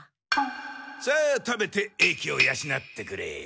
さあ食べて英気をやしなってくれ。